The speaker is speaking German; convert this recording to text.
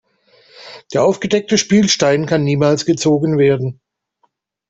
Der aufgedeckte Spielstein kann niemals gezogen werden.